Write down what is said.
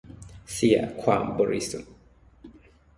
เสียความบริสุทธิ์